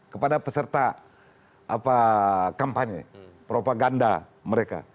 kepada peserta kampanye propaganda mereka